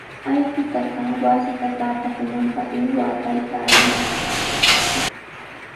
Allqutaqa wasita taapananpaqmi waataykaayan.